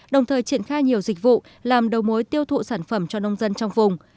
đồng thời triển khai nhiều dịch vụ làm đầu mối tiêu thụ sản phẩm cho nông dân trong vùng